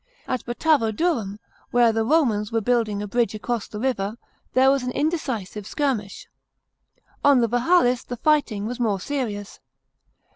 At Batavodurum, where the Romans were building a bridge across the river, there was an indecisive skirmish. On the Vahalis the fighting was more serious.